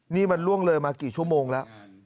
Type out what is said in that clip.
นี่มันล่วงเลยมากี่ชั่วโมงแล้ว